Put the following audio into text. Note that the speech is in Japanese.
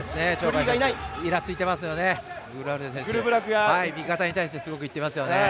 味方に対してすごくいっていますね。